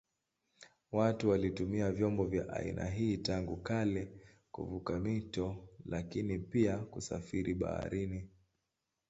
Watu walitumia vyombo vya aina hii tangu kale kuvuka mito lakini pia kusafiri baharini.